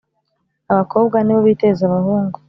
abakobwa nibo biteza abahungu